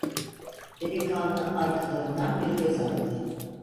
Delikanlı arkalarından bir göz attı.